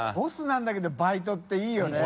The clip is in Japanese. なんだけどバイトっていいよね。